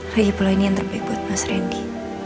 lagipula ini yang terbaik buat mas randi